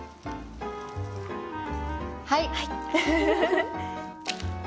はい。